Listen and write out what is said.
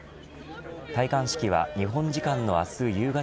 戴冠式は日本時間の明日